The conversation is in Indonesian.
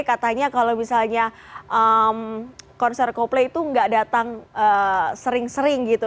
katanya kalau misalnya konser coldplay itu nggak datang sering sering gitu